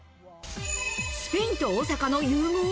スペインと大阪の融合？